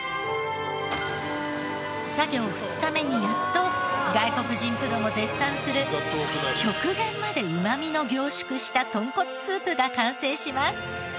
作業２日目にやっと外国人プロも絶賛する極限までうまみの凝縮したとんこつスープが完成します。